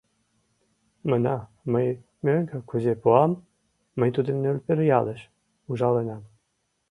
Мына, мый мӧҥгӧ кузе пуам: мый тудым Нӧлпер ялыш ужаленам.